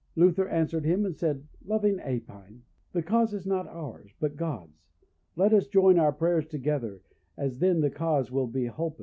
Luther answered him, and said, Loving Aepine, the cause is not ours, but God's: let us join our prayers together, as then the cause will be holpen.